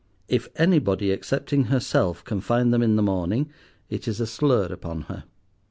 If anybody excepting herself can find them in the morning, it is a slur upon her.